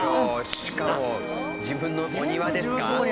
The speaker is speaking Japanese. しかも自分のお庭ですか？